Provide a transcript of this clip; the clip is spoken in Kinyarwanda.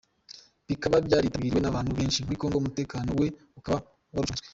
bikaba byaritabiriwe nabantu benshi, muri Congo umutekano we ukaba warucunnzwe.